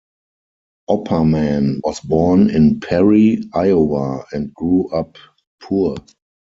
Opperman was born in Perry, Iowa, and "grew up poor".